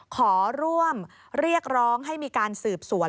ขอร่วมเรียกร้องให้มีการสืบสวน